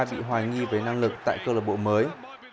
bị hoài nghi với năng lực tại cơ lợi bộ mới